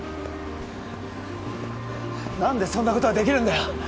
何でそんなことができるんだよ